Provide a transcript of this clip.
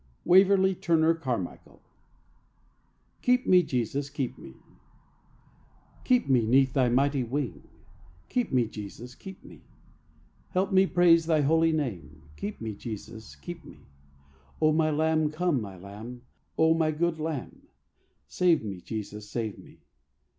Waverley Turner Carmichael KEEP ME, JESUS, KEEP ME Keep me 'neath Thy mighty wing, Keep me, Jesus, keep me; Help me praise Thy Holy name, Keep me, Jesus, keep me. O my Lamb, come, my Lamb, O my good Lamb, Save me, Jesus, save me.